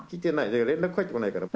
連絡返ってこないから。